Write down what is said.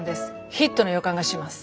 ヒットの予感がします。